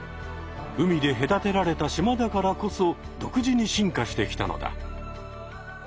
海でへだてられた島だからこそ独自に進化してきたのだ。